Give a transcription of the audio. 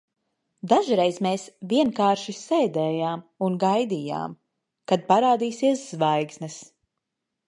Dažreiz mēs vienkārši sēdējām un gaidījām, kad parādīsies zvaigznes.